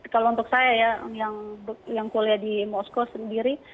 kalau untuk saya ya yang kuliah di moskow sendiri